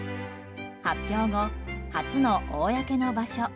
発表後初の公の場所。